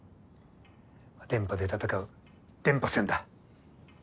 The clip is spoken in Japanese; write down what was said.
電波で戦う電波戦だ。